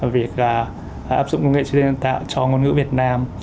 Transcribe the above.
việc áp dụng công nghệ truyền thông tạo cho ngôn ngữ việt nam